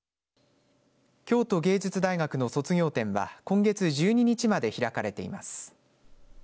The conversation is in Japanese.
京都芸術大学の卒業展は今月１２日まで開かれています。